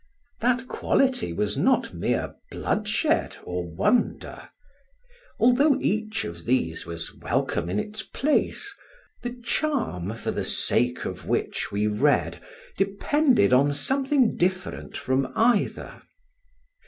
That quality was not mere bloodshed or wonder. Although each of these was welcome in its place, the charm for the sake of which we read depended on something different from either.